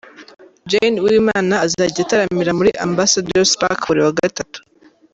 Jane Uwimana azajya ataramira muri Ambassador's Park buri wa Gatatu.